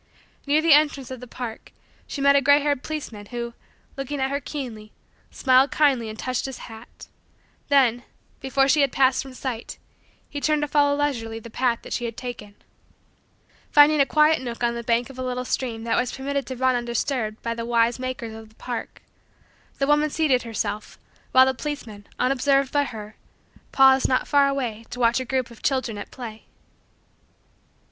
Near the entrance of the park, she met a gray haired policeman who, looking at her keenly, smiled kindly and touched his hat; then, before she had passed from sight, he turned to follow leisurely the path that she had taken. Finding a quiet nook on the bank of a little stream that was permitted to run undisturbed by the wise makers of the park, the woman seated herself, while the policeman, unobserved by her, paused not far away to watch a group of children at play. [Illustration: The life that crowded her so closely drifted far, far away.